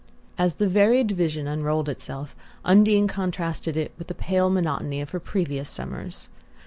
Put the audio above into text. As the varied vision unrolled itself, Undine contrasted it with the pale monotony of her previous summers.